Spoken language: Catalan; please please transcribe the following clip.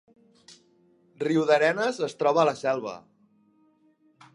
Riudarenes es troba a la Selva